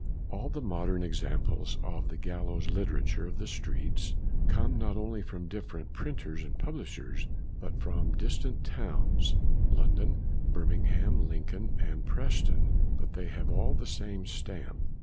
All the modern examples of THE "GALLOWS" LITERATURE OF THE STREETS come not only from different printers and publishers, but from distant towns, London, Birmingham, Lincoln, and Preston, but they have all the same stamp.